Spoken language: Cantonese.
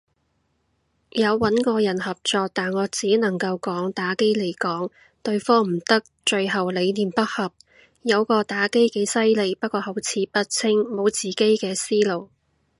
有穩過人合作，但我只能夠講打機來講，對方唔得，最後理念不合，有個打機几犀利，不過口齒不清，無自己嘅思路。